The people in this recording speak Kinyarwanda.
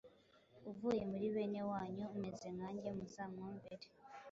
uvuye muri bene wanyu umeze nkanjye, muzamwumvire.